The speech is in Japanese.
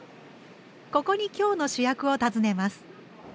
ここに今日の主役を訪ねます。